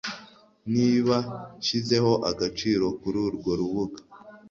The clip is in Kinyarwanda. niba nshyizeho agaciro kururwo rubuga